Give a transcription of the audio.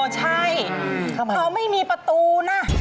ใช่เขาไม่มีประตูนะ